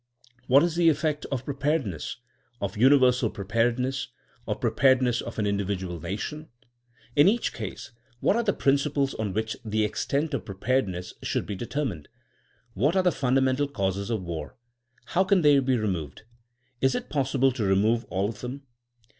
What is the effect of preparedness! of universal preparedness! of preparedness of an individual nation! In each case what are the principles on which the extent of preparedness should be determined! What are the fundamental causes of war! How can they be removed! Is it possible to remove all of them!